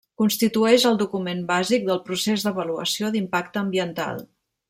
Constitueix el document bàsic pel procés d'avaluació d'impacte ambiental.